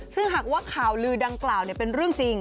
ซึ่งหากว่าข่าวลือดังกล่าวเป็นเรื่องจริง